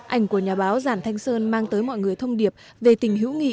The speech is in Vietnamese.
ảnh của nhà báo giản thanh sơn mang tới mọi người thông điệp về tình hữu nghị